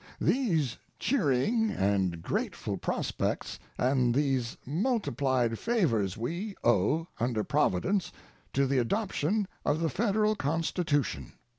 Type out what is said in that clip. These cheering and grateful prospects and these multiplied favors we owe, under Providence, to the adoption of the Federal Constitution.